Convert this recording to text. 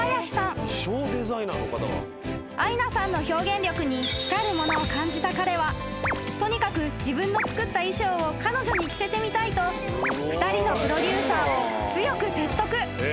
［アイナさんの表現力に光るものを感じた彼はとにかく自分の作った衣装を彼女に着せてみたいと２人のプロデューサーを］